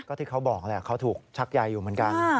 ก็ที่เขาบอกแหละเขาถูกชักใยอยู่เหมือนกัน